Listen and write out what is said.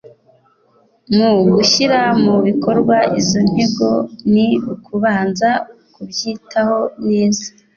Mu gushyira mu bikorwa izo ntego ni ukubanza kubyitaho neza